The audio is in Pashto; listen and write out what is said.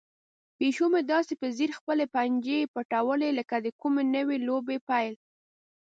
پیشو مې داسې په ځیر خپلې پنجې پټوي لکه د کومې نوې لوبې پیل.